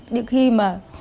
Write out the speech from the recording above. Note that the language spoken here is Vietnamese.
điều khi mà